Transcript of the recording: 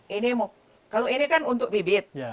ini kalau ini kan untuk bibit